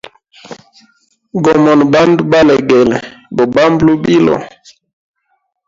Gomona bandu balegele gobamba lubilo.